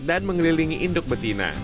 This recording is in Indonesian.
dan mengelilingi induk betina